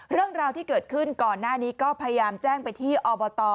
เรื่องราวที่เกิดขึ้นก่อนหน้านี้ก็พยายามแจ้งไปที่อบต